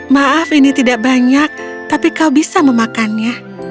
maaf ini tidak banyak tapi kau bisa memakannya